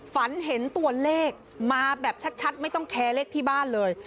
ฝันเห็นตัวเลขมาแบบชัดไม่ต้องแคร์เลขที่บ้านเลย